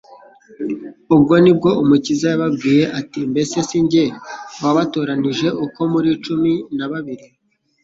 Ubwo nibwo Umukiza yababwiye ati: " Mbese sinjye wabatoranije uko muri cumi na babiri?